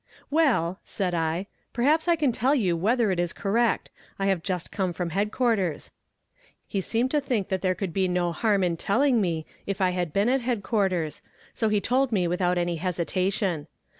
"Well," said I, "perhaps I can tell you whether it is correct; I have just come from headquarters." He seemed to think that there could be no harm in telling me if I had been at headquarters, so he told me without any hesitation.